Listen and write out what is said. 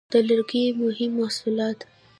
د لرګیو مهم محصولات: